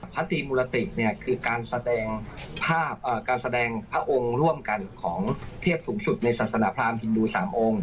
พระตรีมูรติคือการแสดงพระองค์ร่วมกันของเทียบสูงสุดในศาสนภาพฮินดูสามองค์